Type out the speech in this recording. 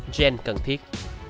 gen cần thiết